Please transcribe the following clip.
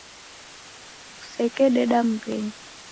Kusekededa mbenyu